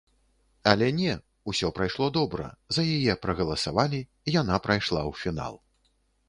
Але не, усё прайшло добра, за яе прагаласавалі, яна прайшла ў фінал.